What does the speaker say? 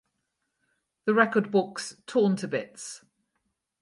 The record books torn to bits.